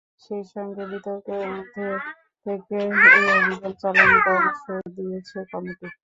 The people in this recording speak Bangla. সেই সঙ্গে বিতর্কের ঊর্ধ্বে থেকে এ অভিযান চালানোর পরামর্শ দিয়েছে কমিটি।